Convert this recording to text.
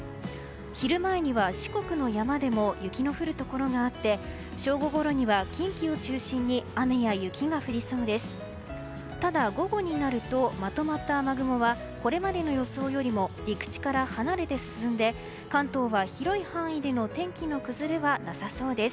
昼前には四国の山でも雪の降るところがあって正午ごろには近畿を中心に雨や雪が降りそうです。